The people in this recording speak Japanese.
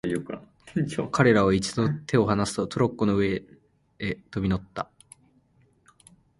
彼等は一度に手をはなすと、トロッコの上へ飛び乗った。